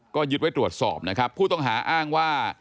ก็ยึดไว้ตรวจสอบนะครับผู้ต้องหาอ้างว่า